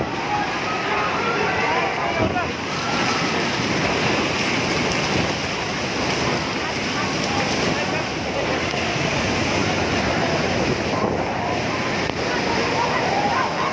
belikan saya keselamatan